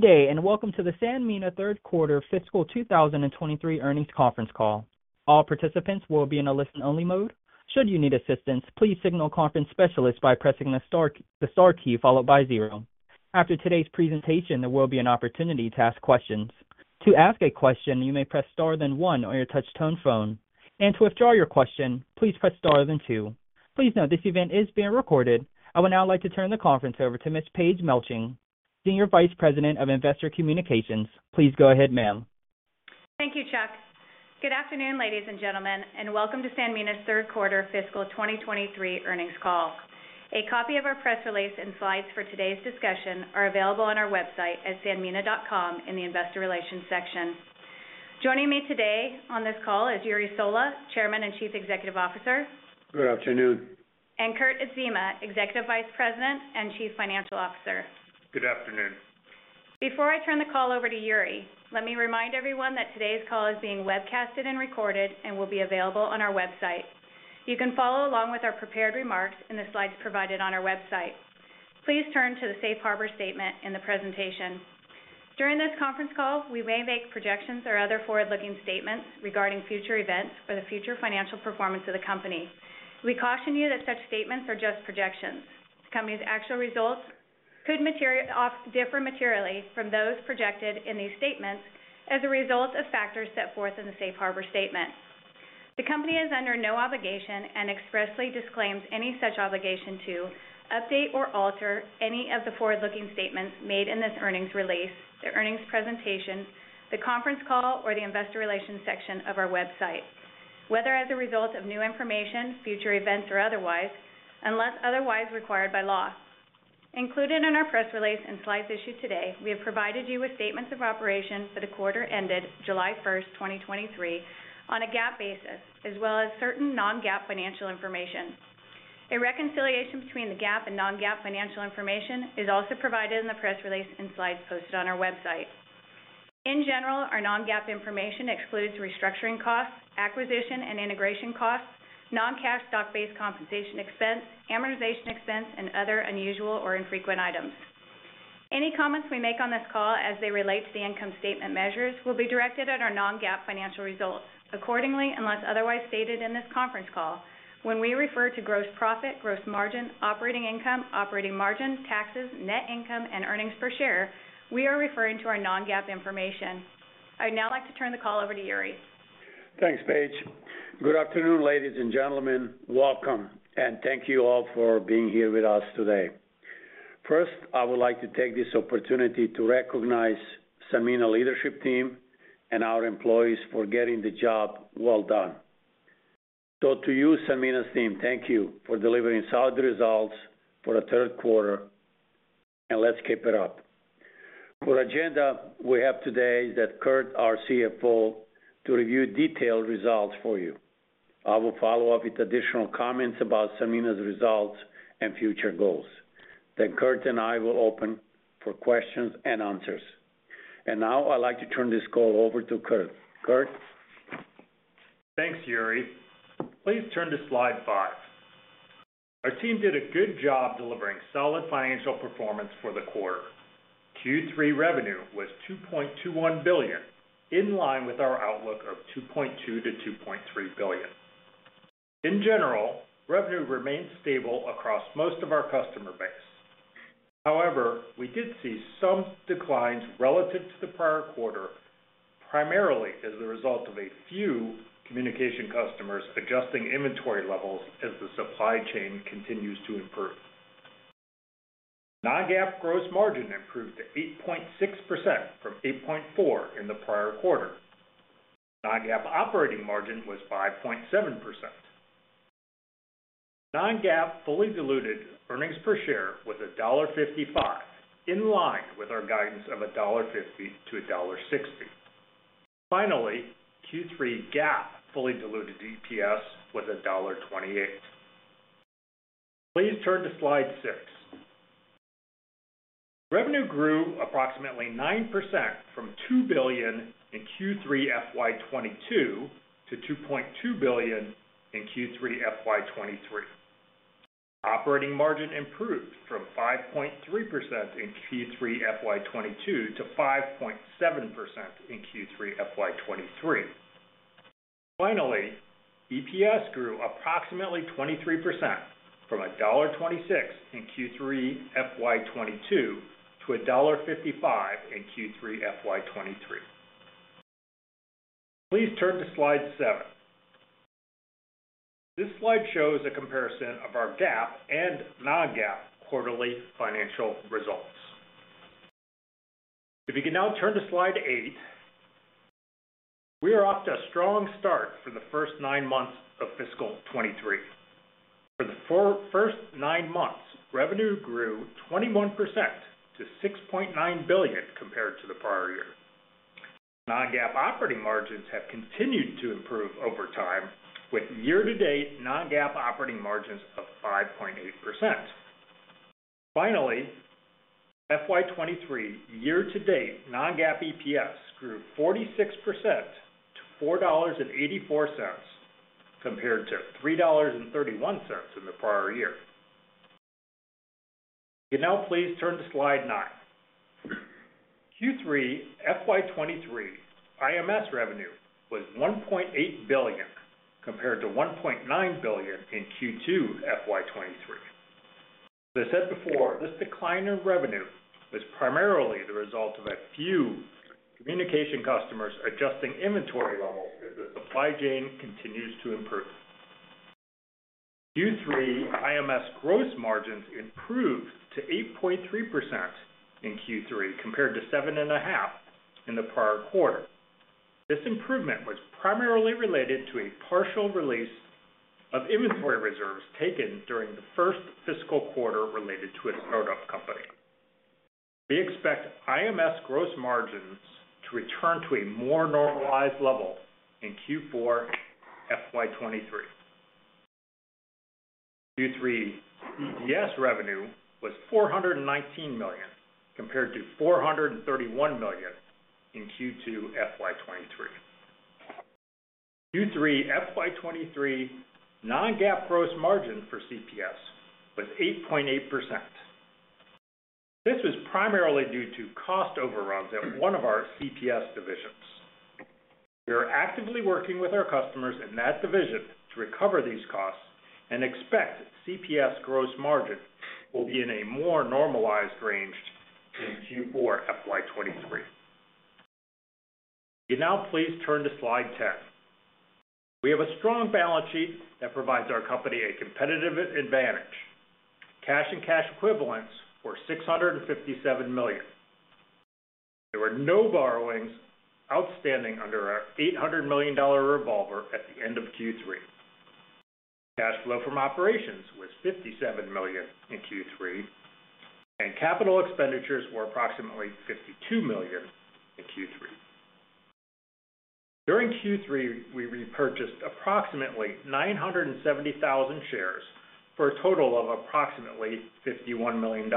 Good day, welcome to the Sanmina Third Quarter Fiscal 2023 Earnings Conference Call. All participants will be in a listen-only mode. Should you need assistance, please signal conference specialist by pressing the star key, followed by zero. After today's presentation, there will be an opportunity to ask questions. To ask a question, you may press Star, then one on your touch tone phone, and to withdraw your question, please press Star, then two. Please note, this event is being recorded. I would now like to turn the conference over to Miss Paige Melching, Senior Vice President of Investor Communications. Please go ahead, ma'am. Thank you, Chuck. Good afternoon, ladies and gentlemen, and welcome to Sanmina's Q3 Fiscal 2023 Earnings Call. A copy of our press release and slides for today's discussion are available on our website at sanmina.com in the Investor Relations section. Joining me today on this call is Jure Sola, Chairman and Chief Executive Officer. Good afternoon. Kurt Adzema, Executive Vice President and Chief Financial Officer. Good afternoon. Before I turn the call over to Jure, let me remind everyone that today's call is being webcasted and recorded and will be available on our website. You can follow along with our prepared remarks in the slides provided on our website. Please turn to the safe harbor statement in the presentation. During this conference call, we may make projections or other forward-looking statements regarding future events or the future financial performance of the company. We caution you that such statements are just projections. The company's actual results could differ materially from those projected in these statements as a result of factors set forth in the safe harbor statement. The company is under no obligation and expressly disclaims any such obligation to update or alter any of the forward-looking statements made in this earnings release, the earnings presentation, the conference call, or the investor relations section of our website, whether as a result of new information, future events, or otherwise, unless otherwise required by law. Included in our press release and slides issued today, we have provided you with statements of operations for the quarter ended July 1st, 2023, on a GAAP basis, as well as certain Non-GAAP financial information. A reconciliation between the GAAP and Non-GAAP financial information is also provided in the press release and slides posted on our website. In general, our Non-GAAP information excludes restructuring costs, acquisition and integration costs, non-cash stock-based compensation expense, amortization expense, and other unusual or infrequent items. Any comments we make on this call as they relate to the income statement measures will be directed at our Non-GAAP financial results. Accordingly, unless otherwise stated in this conference call, when we refer to gross profit, gross margin, operating income, operating margin, taxes, net income, and earnings per share, we are referring to our Non-GAAP information. I'd now like to turn the call over to Jure. Thanks, Paige. Good afternoon, ladies and gentlemen. Welcome, thank you all for being here with us today. First, I would like to take this opportunity to recognize Sanmina leadership team and our employees for getting the job well done. To you, Sanmina's team, thank you for delivering solid results for the third quarter, and let's keep it up. For agenda, we have today that Kurt, our CFO, to review detailed results for you. I will follow up with additional comments about Sanmina's results and future goals. Kurt and I will open for questions and answers. Now, I'd like to turn this call over to Kurt. Kurt? Thanks, Jure. Please turn to slide five. Our team did a good job delivering solid financial performance for the quarter. Q3 revenue was $2.21 billion, in line with our outlook of $2.2 billion-$2.3 billion. In general, revenue remained stable across most of our customer base. However, we did see some declines relative to the prior quarter, primarily as a result of a few communication customers adjusting inventory levels as the supply chain continues to improve. Non-GAAP gross margin improved to 8.6% from 8.4% in the prior quarter. Non-GAAP operating margin was 5.7%. Non-GAAP fully diluted earnings per share was $1.55, in line with our guidance of $1.50-$1.60. Finally, Q3 GAAP fully diluted EPS was $1.28. Please turn to slide six. Revenue grew approximately 9% from $2 billion in Q3 FY 2022 to $2.2 billion in Q3 FY 2023. Operating margin improved from 5.3% in Q3 FY 2022 to 5.7% in Q3 FY 2023. Finally, EPS grew approximately 23% from $1.26 in Q3 FY 2022 to $1.55 in Q3 FY 2023. Please turn to slide seven. This slide shows a comparison of our GAAP and Non-GAAP quarterly financial results. If you can now turn to slide eight, we are off to a strong start for the first nine months of fiscal 2023. For the first nine months, revenue grew 21% to $6.9 billion compared to the prior year. Non-GAAP operating margins have continued to improve over time, with year-to-date Non-GAAP operating margins of 5.8%. Finally, FY 2023 year-to-date Non-GAAP EPS grew 46% to $4.84 compared to $3.31 in the prior year. You now please turn to slide 9. Q3, FY 2023, IMS revenue was $1.8 billion, compared to $1.9 billion in Q2, FY 2023. As I said before, this decline in revenue is primarily the result of a few communication customers adjusting inventory levels as the supply chain continues to improve. Q3, IMS gross margins improved to 8.3% in Q3, compared to 7.5% in the prior quarter. This improvement was primarily related to a partial release of inventory reserves taken during the first fiscal quarter related to a product company. We expect IMS gross margins to return to a more normalized level in Q4, FY 2023. Q3 CPS revenue was $419 million, compared to $431 million in Q2, FY 2023. Q3, FY 2023, Non-GAAP gross margin for CPS was 8.8%. This was primarily due to cost overruns at one of our CPS divisions. We are actively working with our customers in that division to recover these costs and expect CPS gross margin will be in a more normalized range in Q4, FY 2023. You now please turn to slide 10. We have a strong balance sheet that provides our company a competitive advantage. Cash and cash equivalents were $657 million. There were no borrowings outstanding under our $800 million revolver at the end of Q3. Cash flow from operations was $57 million in Q3, and capital expenditures were approximately $52 million in Q3. During Q3, we repurchased approximately 970,000 shares for a total of approximately $51 million.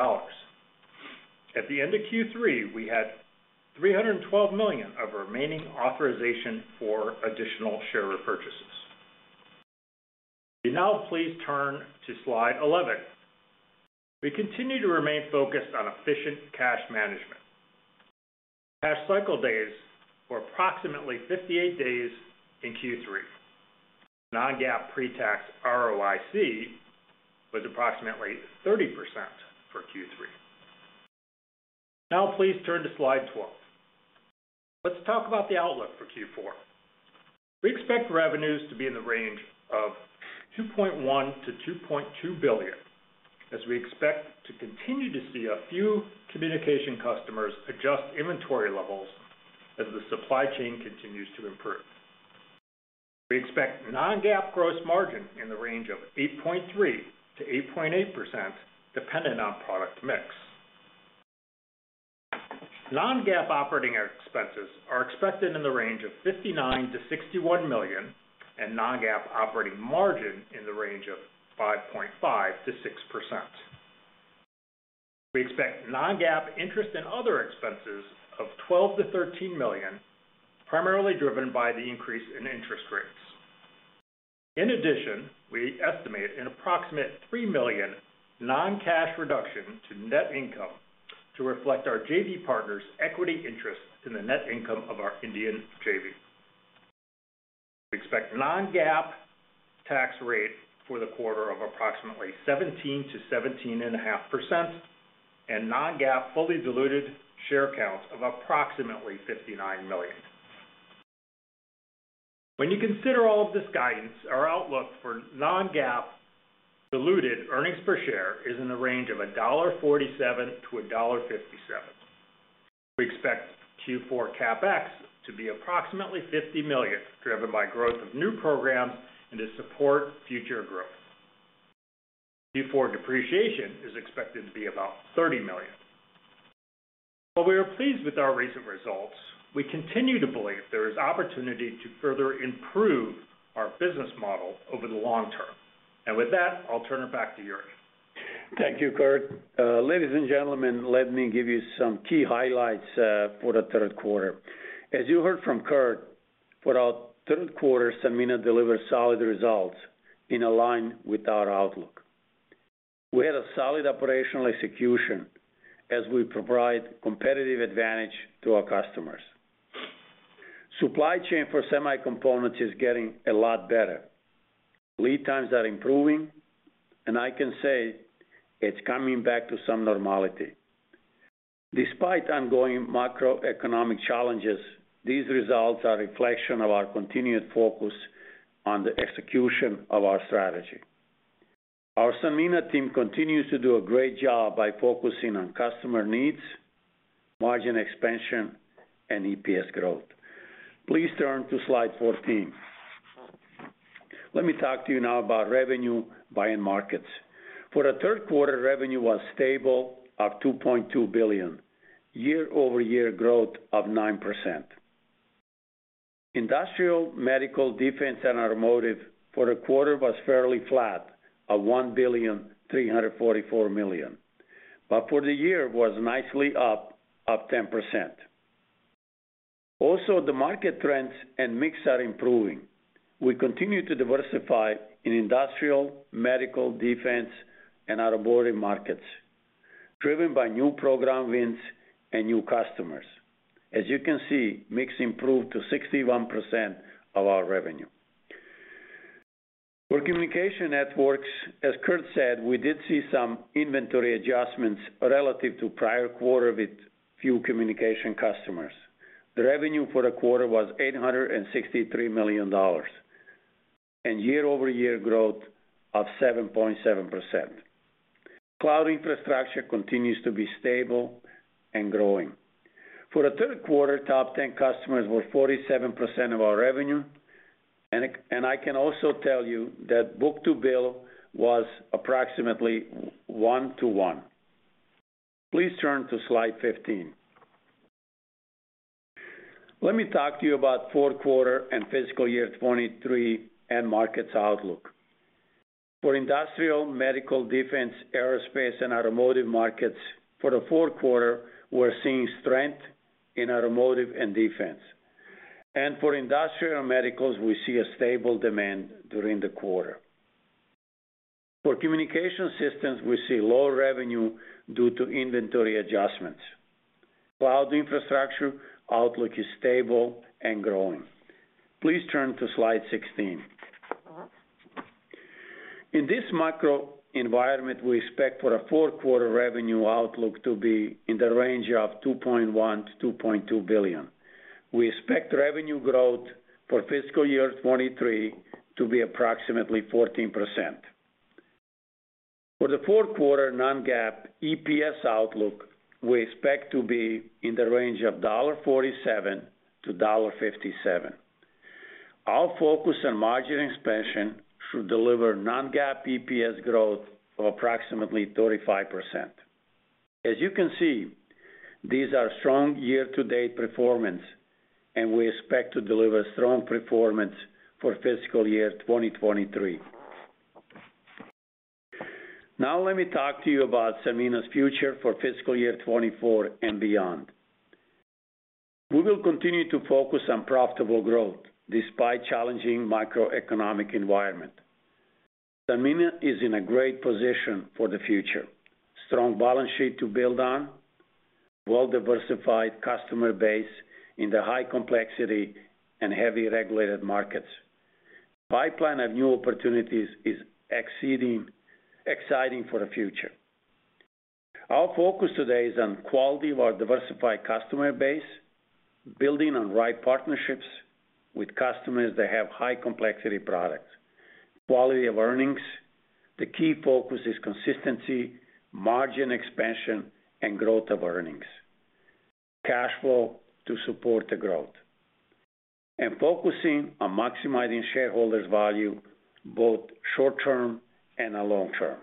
At the end of Q3, we had $312 million of remaining authorization for additional share repurchases. Will you now please turn to slide 11? We continue to remain focused on efficient cash management. Cash cycle days were approximately 58 days in Q3. Non-GAAP pretax ROIC was approximately 30% for Q3. Now please turn to slide 12. Let's talk about the outlook for Q4. We expect revenues to be in the range of $2.1 billion-$2.2 billion, as we expect to continue to see a few communication customers adjust inventory levels as the supply chain continues to improve. We expect Non-GAAP gross margin in the range of 8.3%-8.8%, dependent on product mix. Non-GAAP operating expenses are expected in the range of $59 million-$61 million, and Non-GAAP operating margin in the range of 5.5%-6%. We expect Non-GAAP interest and other expenses of $12 million-$13 million, primarily driven by the increase in interest rates. In addition, we estimate an approximate $3 million non-cash reduction to net income to reflect our JV partner's equity interest in the net income of our Indian JV. We expect Non-GAAP tax rate for the quarter of approximately 17%-17.5%, and Non-GAAP fully diluted share count of approximately 59 million. When you consider all of this guidance, our outlook for Non-GAAP diluted earnings per share is in the range of $1.47-$1.57. We expect Q4 CapEx to be approximately $50 million, driven by growth of new programs and to support future growth. Q4 depreciation is expected to be about $30 million. While we are pleased with our recent results, we continue to believe there is opportunity to further improve our business model over the long term. With that, I'll turn it back to Jure. Thank you, Kurt. Ladies and gentlemen, let me give you some key highlights for the Q3. As you heard from Kurt, for our third quarter, Sanmina delivered solid results in line with our outlook. We had a solid operational execution as we provide competitive advantage to our customers. Supply chain for semi components is getting a lot better. Lead times are improving, and I can say it's coming back to some normality. Despite ongoing macroeconomic challenges, these results are a reflection of our continued focus on the execution of our strategy. Our Sanmina team continues to do a great job by focusing on customer needs, margin expansion, and EPS growth. Please turn to slide 14. Let me talk to you now about revenue by end markets. For the Q3, revenue was stable, up $2.2 billion, year-over-year growth of 9%. Industrial, medical, defense, and automotive for the quarter was fairly flat, at $1.344 billion, but for the year was nicely up, up 10%. The market trends and mix are improving. We continue to diversify in industrial, medical, defense, and automotive markets, driven by new program wins and new customers. As you can see, mix improved to 61% of our revenue. For communication networks, as Kurt said, we did see some inventory adjustments relative to prior quarter with few communication customers. The revenue for the quarter was $863 million, and year-over-year growth of 7.7%. Cloud infrastructure continues to be stable and growing. For the Q3, top 10 customers were 47% of our revenue, and I can also tell you that book-to-bill was approximately 1 to 1. Please turn to slide 15. Let me talk to you about Q4 and fiscal year 2023, end markets outlook. For industrial, medical, defense, aerospace, and automotive markets, for the Q4, we're seeing strength in automotive and defense. For industrial and medical, we see a stable demand during the quarter. For communication systems, we see lower revenue due to inventory adjustments. Cloud infrastructure outlook is stable and growing. Please turn to slide 16. In this macro environment, we expect for the fourth quarter revenue outlook to be in the range of $2.1 billion-$2.2 billion. We expect revenue growth for fiscal year 2023 to be approximately 14%. For the fourth quarter Non-GAAP EPS outlook, we expect to be in the range of $1.47-$1.57. Our focus on margin expansion should deliver Non-GAAP EPS growth of approximately 35%. As you can see, these are strong year-to-date performance, and we expect to deliver strong performance for fiscal year 2023. Let me talk to you about Sanmina's future for fiscal year 2024 and beyond. We will continue to focus on profitable growth despite challenging macroeconomic environment. Sanmina is in a great position for the future. Strong balance sheet to build on, well-diversified customer base in the high complexity and heavy regulated markets. Pipeline of new opportunities is exciting for the future. Our focus today is on quality of our diversified customer base, building on right partnerships with customers that have high complexity products. Quality of earnings, the key focus is consistency, margin expansion, and growth of earnings. Cash flow to support the growth, and focusing on maximizing shareholders value, both short term and long term.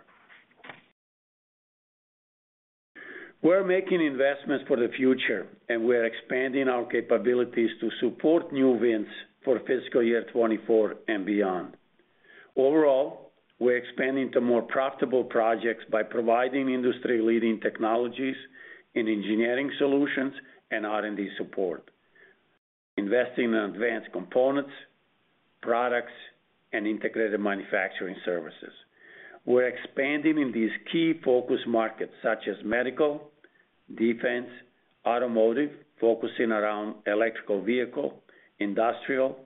We're making investments for the future, and we are expanding our capabilities to support new wins for fiscal year 2024 and beyond. Overall, we're expanding to more profitable projects by providing industry-leading technologies in engineering solutions and R&D support, investing in advanced components, products, and integrated manufacturing services. We're expanding in these key focus markets, such as medical, defense, automotive, focusing around electric vehicle, industrial,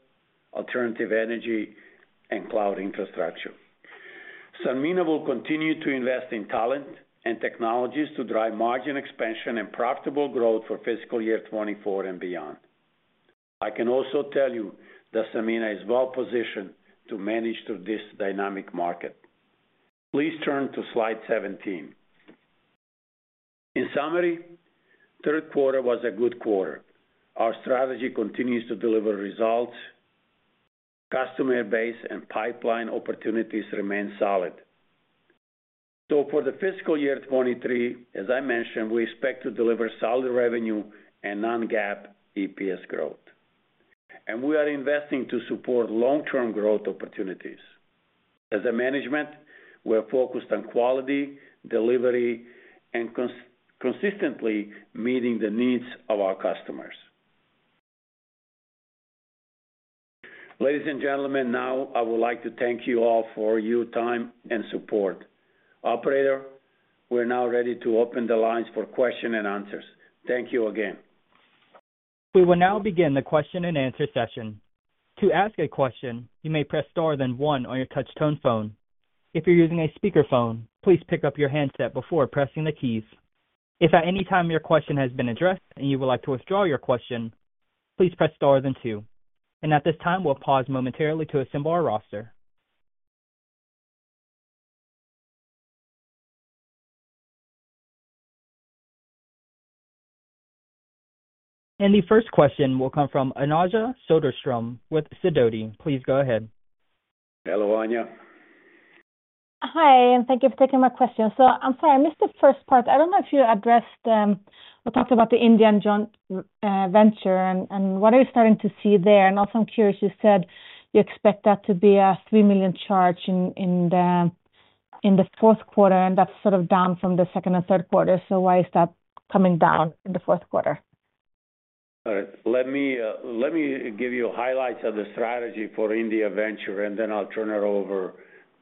alternative energy, and cloud infrastructure. Sanmina will continue to invest in talent and technologies to drive margin expansion and profitable growth for fiscal year 2024 and beyond. I can also tell you that Sanmina is well-positioned to manage through this dynamic market. Please turn to slide 17. In summary, Q3 was a good quarter. Our strategy continues to deliver results. Customer base and pipeline opportunities remain solid. For the fiscal year 2023, as I mentioned, we expect to deliver solid revenue and Non-GAAP EPS growth. We are investing to support long-term growth opportunities. As a management, we are focused on quality, delivery, and consistently meeting the needs of our customers. Ladies and gentlemen, now I would like to thank you all for your time and support. Operator, we're now ready to open the lines for question and answers. Thank you again. We will now begin the question-and-answer session. To ask a question, you may press star then one on your touch tone phone. If you're using a speakerphone, please pick up your handset before pressing the keys. If at any time your question has been addressed and you would like to withdraw your question, please press star then two. At this time, we'll pause momentarily to assemble our roster. The first question will come from Anja Soderstrom with Sidoti. Please go ahead. Hello, Anja. Hi, and thank you for taking my question. I'm sorry, I missed the first part. I don't know if you addressed or talked about the Indian Joint Venture and what are you starting to see there? Also, I'm curious, you said you expect that to be a $3 million charge in the Q4, and that's sort of down from the Q2 and Q3. Why is that coming down in the Q4? All right. Let me, let me give you highlights of the strategy for India Venture, then I'll turn it over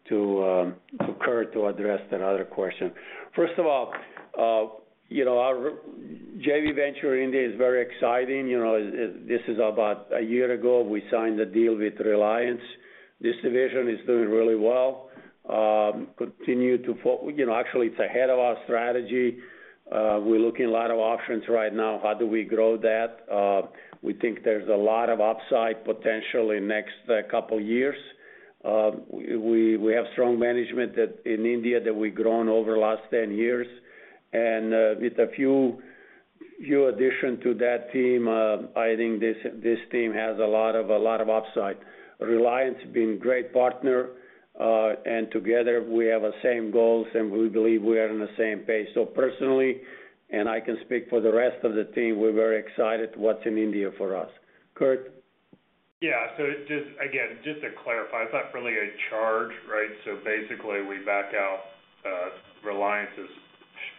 to Kurt to address that other question. First of all, you know, our JV venture in India is very exciting. You know, this is about a year ago, we signed a deal with Reliance. This division is doing really well, continue to You know, actually, it's ahead of our strategy. We're looking at a lot of options right now. How do we grow that? We think there's a lot of upside potentially in next, couple years. We, we have strong management that in India that we've grown over the last 10 years, and, with a few, few addition to that team, I think this, this team has a lot of, a lot of upside. Reliance being a great partner, and together we have the same goals, and we believe we are on the same page. Personally, and I can speak for the rest of the team, we're very excited what's in India for us. Kurt? Just again, just to clarify, it's not really a charge, right? Basically, we back out Reliance's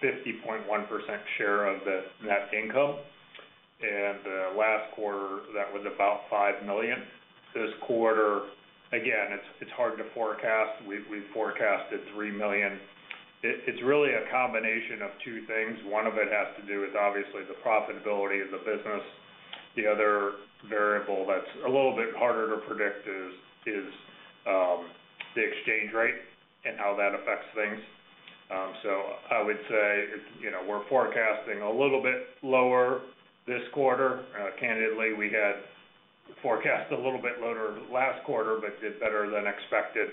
50.1% share of the net income, and last quarter, that was about $5 million. This quarter, again, it's, it's hard to forecast. We've, we've forecasted $3 million. It, it's really a combination of two things. One of it has to do with, obviously, the profitability of the business. The other variable that's a little bit harder to predict is, is the exchange rate and how that affects things. I would say, you know, we're forecasting a little bit lower this quarter. Candidly, we had forecast a little bit lower last quarter, but did better than expected.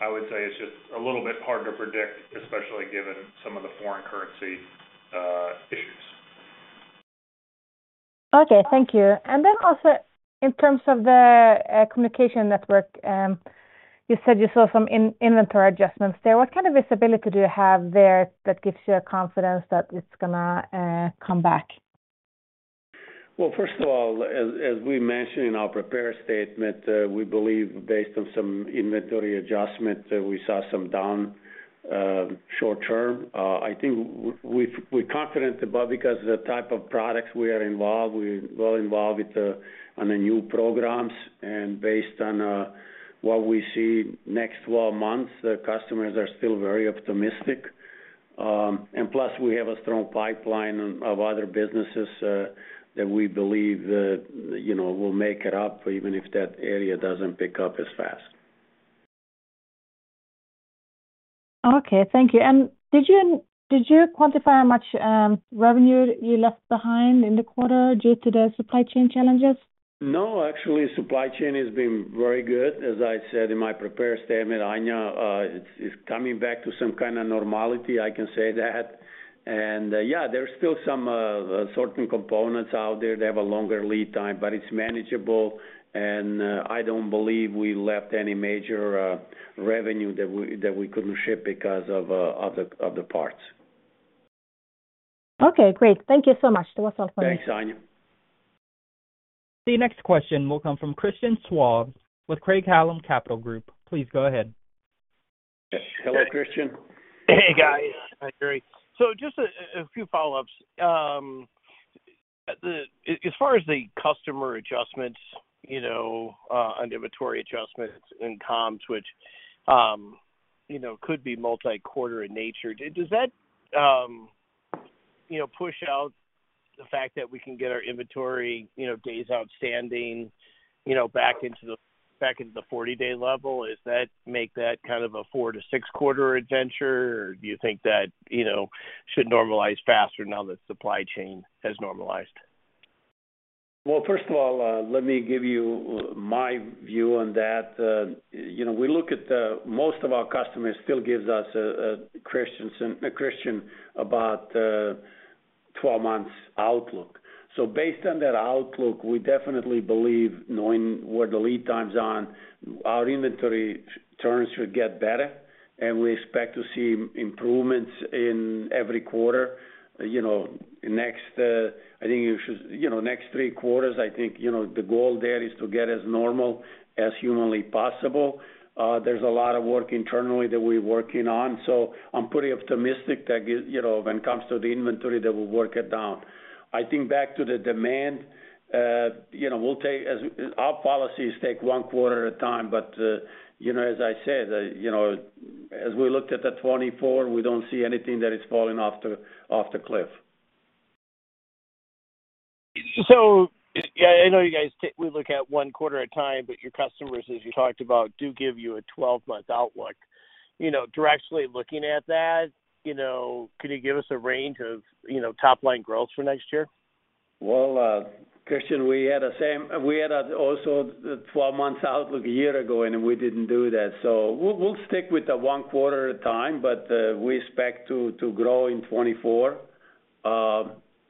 I would say it's just a little bit hard to predict, especially given some of the foreign currency issues. Okay, thank you. Then also in terms of the communication network, you said you saw some in-inventory adjustments there. What kind of visibility do you have there that gives you a confidence that it's gonna come back? Well, first of all, as, as we mentioned in our prepared statement, we believe based on some inventory adjustment, we saw some down short term. I think we we're confident about because the type of products we are involved, we're well involved with, on the new programs, and based on what we see next 12 months, the customers are still very optimistic. Plus, we have a strong pipeline of, of other businesses, that we believe that, you know, will make it up, even if that area doesn't pick up as fast. Okay, thank you. Did you, did you quantify how much revenue you left behind in the quarter due to the supply chain challenges? No, actually, supply chain has been very good. As I said in my prepared statement, Anja, it's, it's coming back to some kind of normality, I can say that. Yeah, there's still some certain components out there that have a longer lead time, but it's manageable, and I don't believe we left any major revenue that we, that we couldn't ship because of, of the, of the parts. Okay, great. Thank you so much. That was all for me. Thanks, Anja. The next question will come from Christian Schwab with Craig-Hallum Capital Group. Please go ahead. Hello, Christian. Hey, guys. Hi, great. Just a few follow-ups. The as far as the customer adjustments, you know, on inventory adjustments and comps, which, you know, could be multi-quarter in nature, does that, you know, push out the fact that we can get our inventory, you know, days outstanding, you know, back into the, back into the 40-day level? Does that make that kind of a 4-6 quarter adventure, or do you think that, you know, should normalize faster now that supply chain has normalized? First of all, let me give you my view on that. You know, we look at, most of our customers still gives us, Christians and Christian, about 12 months outlook. Based on that outlook, we definitely believe knowing where the lead times are, our inventory turns should get better, and we expect to see improvements in every quarter. You know, next, next three quarters, I think, you know, the goal there is to get as normal as humanly possible. There's a lot of work internally that we're working on, so I'm pretty optimistic that, you know, when it comes to the inventory, that we'll work it down. I think back to the demand, you know, we'll take as -- our policies take one quarter at a time, but, you know, as I said, you know, as we looked at the 2024, we don't see anything that is falling off the, off the cliff. Yeah, I know you guys take -- we look at one quarter at a time, but your customers, as you talked about, do give you a 12-month outlook. You know, directionally looking at that, you know, could you give us a range of, you know, top-line growth for next year? Well, Christian, we had the same -- we had, also the 12-month outlook a year ago, and we didn't do that. We'll, we'll stick with the one quarter at a time, but, we expect to, to grow in 2024.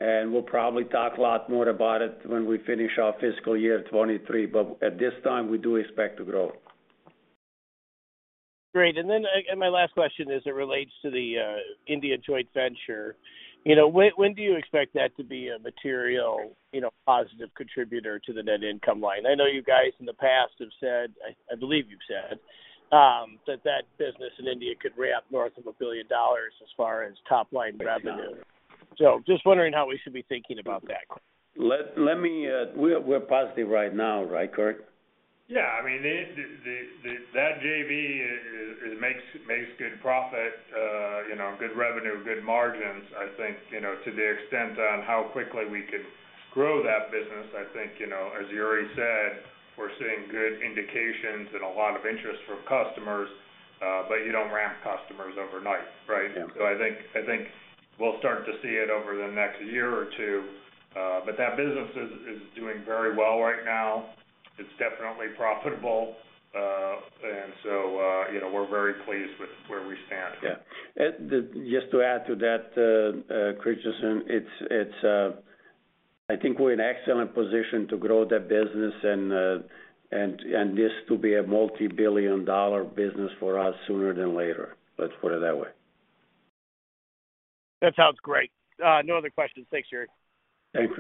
We'll probably talk a lot more about it when we finish our fiscal year 2023, but at this time, we do expect to grow. Great. My last question as it relates to the India Joint Venture. You know, when, when do you expect that to be a material, you know, positive contributor to the net income line? I know you guys in the past have said, I, I believe you've said, that that business in India could ramp north of $1 billion as far as top-line revenue. Just wondering how we should be thinking about that. We're positive right now, right, Kurt? Yeah. I mean, that JV makes good profit, you know, good revenue, good margins. I think, you know, as Jure said, we're seeing good indications and a lot of interest from customers, you don't ramp customers overnight, right? Yeah. I think, I think we'll start to see it over the next year or two, but that business is, is doing very well right now. It's definitely profitable, you know, we're very pleased with where we stand. Yeah. Just to add to that, Christian, it's, it's, I think we're in excellent position to grow that business and, and, and this to be a multi-billion dollar business for us sooner than later. Let's put it that way. That sounds great. No other questions. Thanks, Jure. Thanks.